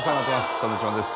サンドウィッチマンです。